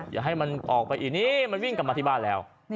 อย่าให้มันออกไปอีกนี้มันวิ่งกลับมาที่บ้านแล้ว